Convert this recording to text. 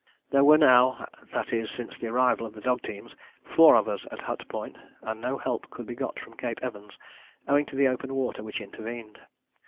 There were now, that is since the arrival of the dog teams four of us at Hut Point; and no help could be got from Cape Evans owing to the open water which intervened.